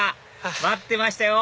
待ってましたよ！